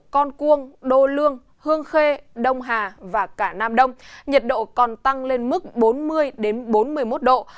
con cuông đô lương hương khê đông hà và cả nam đông nhiệt độ còn tăng lên mức bốn mươi bốn mươi một độ